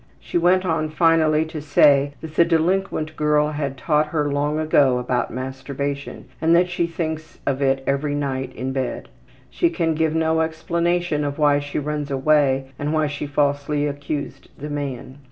She went on finally to say that the delinquent girl had taught her long ago about masturbation and that she thinks of it every night in bed. She can give no explanation of why she runs away and why she falsely accused the man.